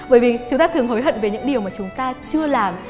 bởi vì chúng ta thường hối hận về những điều mà chúng ta chưa làm